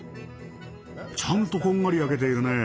ちゃんとこんがり焼けているね。